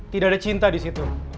tidak ada cinta disitu